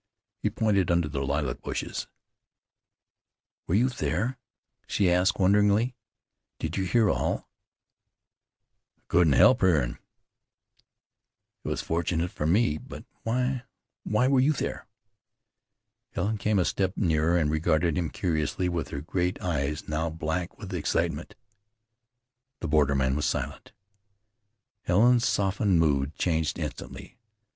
He pointed under the lilac bushes. "Were you there?" she asked wonderingly. "Did you hear all?" "I couldn't help hearin'." "It was fortunate for me; but why why were you there?" Helen came a step nearer, and regarded him curiously with her great eyes now black with excitement. The borderman was silent. Helen's softened mood changed instantly.